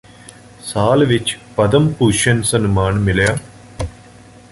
ਸਾਲ ਵਿਚ ਪਦਮ ਭੂਸ਼ਨ ਸਨਮਾਨ ਮਿਲਿਆ